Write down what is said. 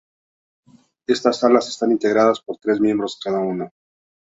Estas salas están integradas por tres miembros cada una.